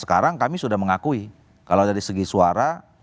sekarang kami sudah mengakui kalau dari segi suara